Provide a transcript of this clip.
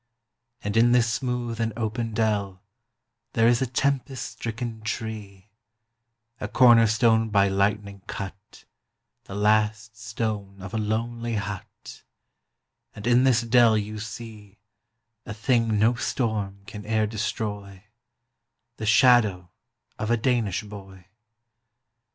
And in this smooth and open dell 5 There is a tempest stricken tree; A corner stone by lightning cut, The last stone of a lonely hut; And in this dell you see A thing no storm can e'er destroy, 10 The shadow of a Danish boy.